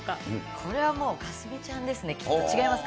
これはもう佳純ちゃんですね、きっと、違いますか？